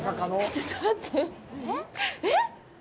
えっ！